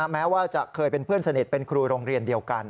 แม้ว่าจะเคยเป็นเพื่อนสนิทเป็นครูโรงเรียนเดียวกัน